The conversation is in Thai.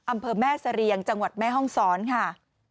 อำเภอแม่เสรียงจังหวัดแม่ห้องศรค่ะ